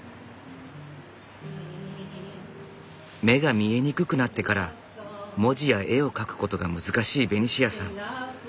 目が見えにくくなってから文字や絵を描くことが難しいベニシアさん。